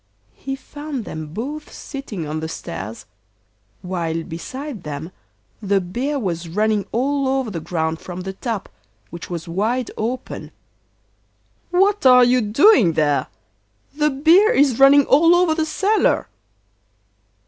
He found them both sitting on the stairs, while beside them the beer was running all over the ground from the tap, which was wide open. 'What are you doing there? The beer is running all over the cellar.